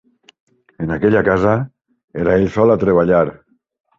En aquella casa era ell sol a treballar.